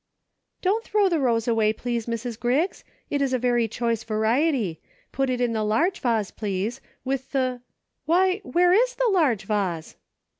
" Don't throw the rose away, please, Mrs. Griggs, it is a very choice variety ; put it in the large vase, please, with the — why, where is the large vase